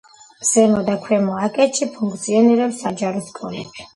ზემო და ქვემო აკეთში ფუნქციონირებს საჯარო სკოლები.